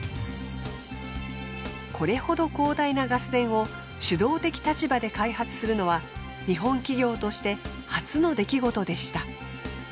これほど広大なガス田を主導的立場で開発するのは日本企業として初の出来事でした。